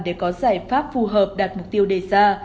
để có giải pháp phù hợp đạt mục tiêu đề ra